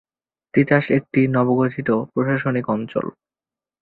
তিতাস একটি নবগঠিত প্রশাসনিক অঞ্চল।